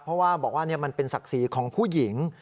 เพราะว่าบอกว่ามันเป็นศักดิ์ศรีของผู้หญิง